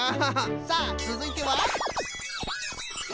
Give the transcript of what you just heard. さあつづいては。